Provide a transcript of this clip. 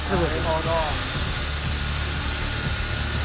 なるほど。